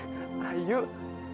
buka pintunya yuk